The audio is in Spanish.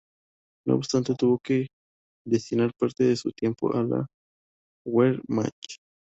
No obstante, tuvo que destinar parte de su tiempo a la Wehrmacht.